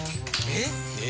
えっ。